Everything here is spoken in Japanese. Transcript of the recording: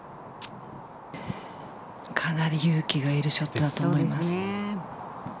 かなり勇気がいるショットだと思います。